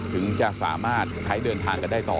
ถึงจะสามารถใช้เดินทางกันได้ต่อ